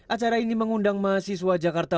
acara ini mengundang mahasiswa jakarta